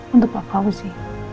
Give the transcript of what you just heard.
untuk papa pausi